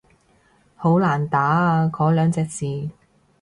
好難打啊嗰兩隻字